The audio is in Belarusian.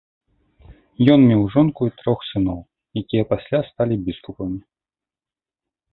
Ён меў жонку і трох сыноў, якія пасля сталі біскупамі.